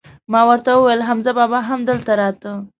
ما ور ته وویل: حمزه بابا هم دلته راته؟